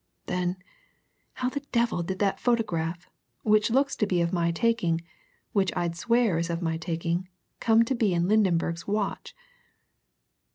Then how the devil did that photograph, which looks to be of my taking, which I'd swear is of my taking, come to be in Lydenberg's watch?